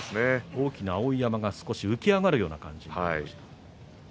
大きな碧山が少し浮き上がるような感じでした。